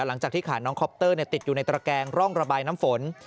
หลังจากที่ขาน้องคอปเตอร์ติดอยู่ในตระแกงร่องระบายน้ำฝน